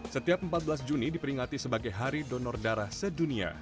setiap empat belas juni diperingati sebagai hari donor darah sedunia